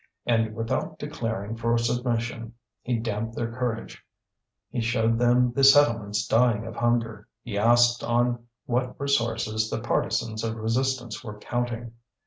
and without declaring for submission he damped their courage, he showed them the settlements dying of hunger, he asked on what resources the partisans of resistance were counting.